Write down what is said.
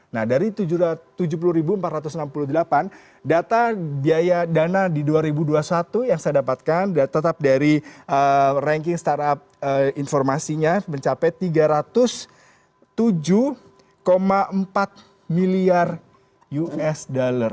nah dari tujuh puluh empat ratus enam puluh delapan data biaya dana di dua ribu dua puluh satu yang saya dapatkan tetap dari ranking startup informasinya mencapai tiga ratus tujuh empat miliar usd